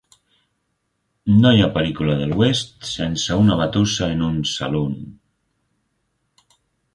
No hi ha pel·lícula de l'oest sense una batussa en un "saloon".